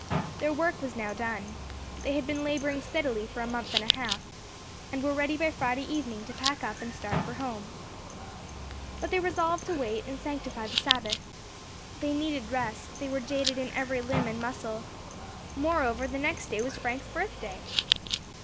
Their work was now done. They had been labouring steadily for a month and a half, and were ready by Friday evening to pack up and start for home. But they resolved to wait and sanctify the Sabbath. They needed rest: they were jaded in every limb and muscle. Moreover, the next day was Frank's birthday.